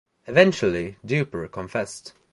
Eventually Dupre confessed.